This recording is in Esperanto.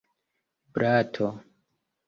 blato